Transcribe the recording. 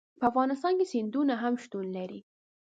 په افغانستان کې سیندونه شتون لري.